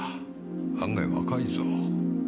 案外若いぞ。